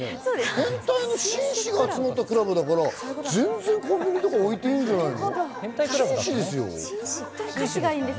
変態の紳士が集まったクラブだから、全然広告とか置いてもいんじゃないの？